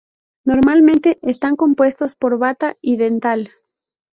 Normalmente están compuestos por bata y delantal.